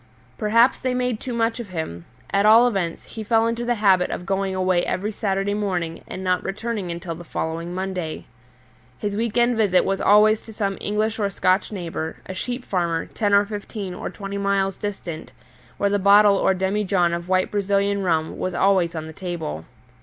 Perhaps they made too much of him: at all events he fell into the habit of going away every Saturday morning and not returning until the following Monday. His week end visit was always to some English or Scotch neighbour, a sheep farmer, ten or fifteen or twenty miles distant, where the bottle or demi john of white Brazilian rum was always on the table.